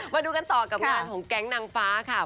มาดูกันต่อกับงานของแก๊งนางฟ้าค่ะ